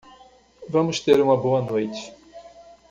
Vamos ter uma boa noite